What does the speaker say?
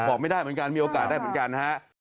บอกไม่ได้เหมือนกันมีโอกาสได้เหมือนกันนะฮะ